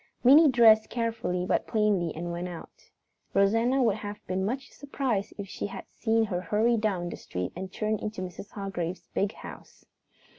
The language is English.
Minnie dressed carefully but plainly and went out. Rosanna would have been much surprised if she had seen her hurry down the street and turn into Mrs. Hargrave's big house.